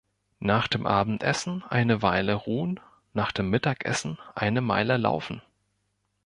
Nach dem Abendessen eine Weile ruhen, nach dem Mittagessen eine Meile laufen.